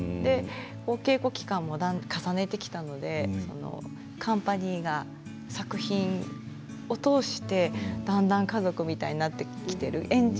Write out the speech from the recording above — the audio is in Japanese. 稽古期間も重ねてきたのでカンパニーが作品を通してだんだん家族になってきている。